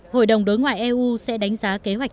hội đồng đối ngoại eu sẽ đánh giá kế hoạch